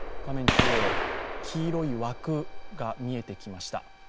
中央、黄色い枠が見えてきました。